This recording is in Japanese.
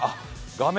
画面